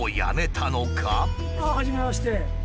ああはじめまして。